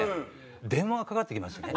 電話がかかってきましてね。